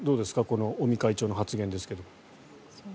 この尾身会長の発言ですけど。